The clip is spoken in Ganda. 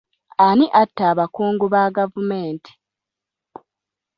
Ani atta abakungu ba gavumenti?